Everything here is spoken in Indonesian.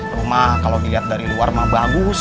rumah kalo diliat dari luar mah bagus